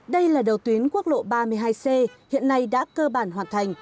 đây là đầu tuyến quốc lộ ba mươi hai c hiện nay đã cơ bản hoàn thành